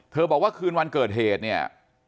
บอกว่าคืนวันเกิดเหตุเนี่ย